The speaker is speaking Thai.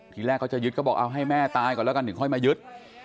ทีแรกเขาจะยึดก็บอกเอาให้แม่ตายก่อนแล้วกันถึงค่อยมายึด